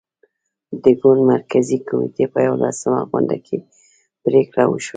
د ګوند مرکزي کمېټې په یوولسمه غونډه کې پرېکړه وشوه.